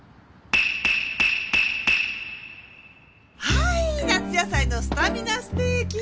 はい夏野菜のスタミナステーキ。